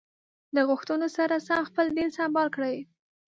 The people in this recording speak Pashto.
له غوښتنو سره سم خپل دین سمبال کړي.